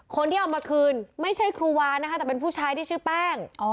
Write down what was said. คนที่เอามาคืนไม่ใช่ครูวานะคะแต่เป็นผู้ชายที่ชื่อแป้ง